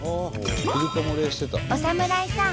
お侍さん